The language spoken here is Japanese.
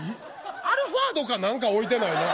アルファードかなんか置いてない。